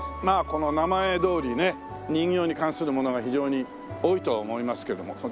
まあこの名前どおりね人形に関するものが非常に多いとは思いますけども。